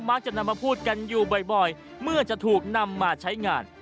จะนำมาพูดกันอยู่บ่อยเมื่อจะถูกนำมาใช้งาน